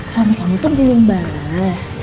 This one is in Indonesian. suami kamu tuh belum bales